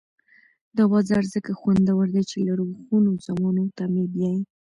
دا بازار ځکه خوندور دی چې لرغونو زمانو ته مې بیايي.